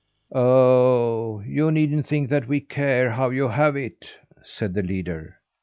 "Oh! you needn't think that we care how you have it," said the leader.